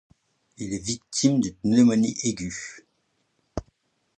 Il est victime d'une pneumonie aiguë.